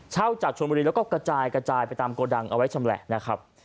จากชนบุรีแล้วก็กระจายกระจายไปตามโกดังเอาไว้ชำแหละนะครับ